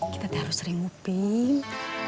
kita tidak harus sering nguping